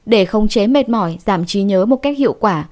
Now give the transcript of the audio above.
để không chế mệt mỏi giảm trí nhớ một cách hiệu quả